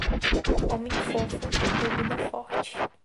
Homem fofo, bebida forte